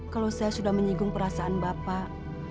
kalau saya sudah menyinggung perasaan bapak